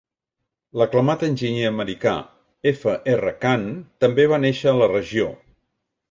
L'aclamat enginyer americà F. R. Khan també va néixer a la regió.